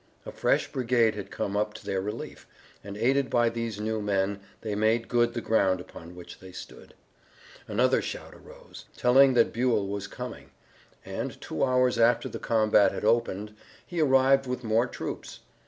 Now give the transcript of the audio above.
A fresh brigade had come up to their relief, and aided by these new men they made good the ground upon which they stood. Another shout arose, telling that Buell was coming, and, two hours after the combat had opened, he arrived with more troops.